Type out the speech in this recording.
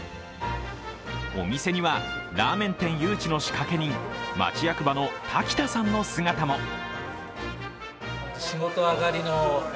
お店にはラーメン店誘致の仕掛け人、町役場の瀧田さんの姿も。